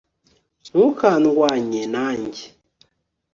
ntukarwanye nanjye